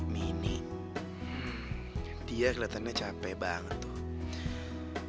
mini dia kelihatannya capek banget tuh